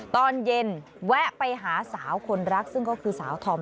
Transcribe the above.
ตอนเย็นแวะไปหาสาวคนรักซึ่งก็คือสาวธอม